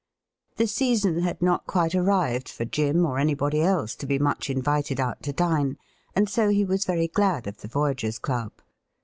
The season had not quite arrived for Jim or anybody else to be much invited out to dine, and so he was very glad of the Voyagers' Club.